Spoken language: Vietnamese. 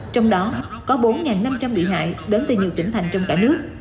trong đó có bốn năm trăm linh bị hại đến từ nhiều tỉnh thành trong cả nước